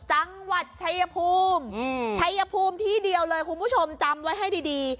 จังหวัดชายภูมิชัยภูมิที่เดียวเลยคุณผู้ชมจำไว้ให้ดี